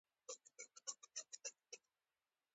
ناکامه ډيپلوماسي د بهرني سیاست ناکامي ښيي.